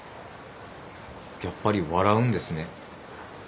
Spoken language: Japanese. やっぱり笑うんですね。